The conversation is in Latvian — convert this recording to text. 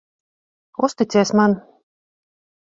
Uzticies man.